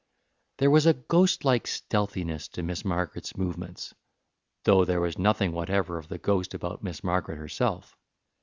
There was a ghostlike stealthiness to Miss Margaret's movements, though there was nothing whatever of the ghost about Miss Margaret herself.